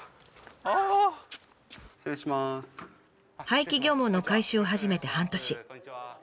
廃棄漁網の回収を始めて半年。